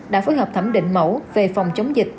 đã phối hợp thẩm định mẫu về phòng chống dịch